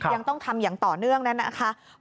ยังต้องทำอย่างต่อเนื่องนั่นนะคะ